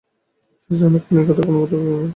সুচরিতা অনেকক্ষণ এ কথার কোনো উত্তর করিল না।